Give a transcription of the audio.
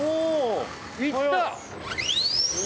おお！